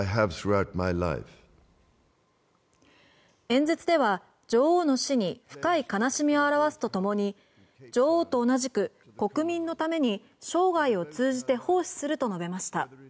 演説では、女王の死に深い悲しみを表すとともに女王と同じく国民のために生涯を通じて奉仕すると述べました。